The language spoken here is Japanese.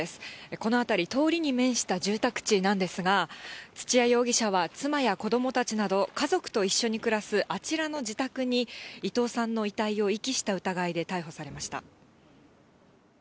この辺り、通りに面した住宅地なんですが、土屋容疑者は妻や子どもたちなど家族と一緒に暮らす、あちらの自宅に、伊藤さんの遺体を遺棄した疑いで逮捕されました。